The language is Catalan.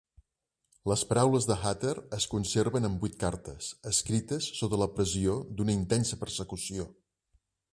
Les paraules de Hutter es conserven en vuit cartes, escrites sota la pressió d'una intensa persecució.